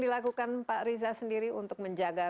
dilakukan pak riza sendiri untuk menjaga